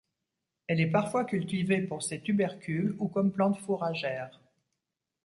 Elle est parfois cultivée pour ses tubercules ou comme plante fourragère.